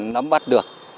nắm vắt được